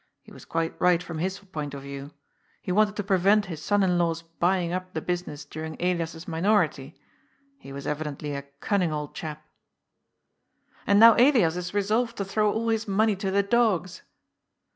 He was quite right from his point of view. He wanted to prevent his son in law's buying up the business during Elias's minority. He was evidently a cunning old chap." And now Elias is resolved to throw all his money to the dogs."